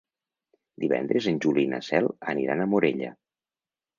Divendres en Juli i na Cel aniran a Morella.